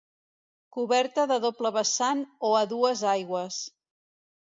Coberta de doble vessant o a dues aigües.